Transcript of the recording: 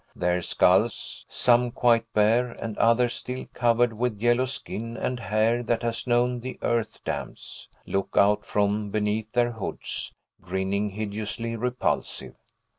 Their skulls (some quite bare, and others still covered with yellow skin, and hair that has known the earth damps) look out from beneath their hoods, grinning hideously repulsive.